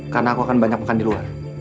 karena aku akan banyak makan di luar